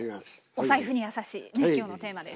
お財布にやさしいね今日のテーマです。